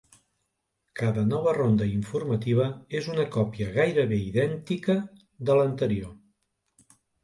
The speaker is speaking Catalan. Cada nova ronda informativa és una còpia gairebé idèntica de l'anterior.